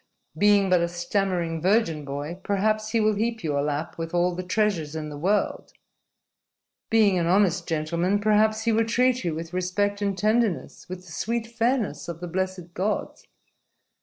Being but a stammering virgin boy, perhaps he will heap your lap with all the treasures in the world. Being an honest gentleman, perhaps he will treat you with respect and tenderness, with the sweet fairness of the blessed gods.